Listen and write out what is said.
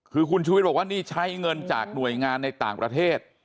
คือคุณชูวิทย์บอกว่านี่ใช้เงินจากหน่วยงานในต่างประเทศ